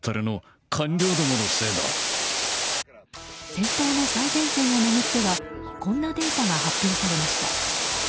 戦闘の最前線を巡ってはこんなデータが発表されました。